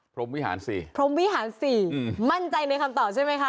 พรมวิหารสี่พรมวิหารสี่อืมมั่นใจในคำตอบใช่ไหมคะ